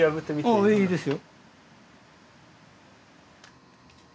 あいいですよ。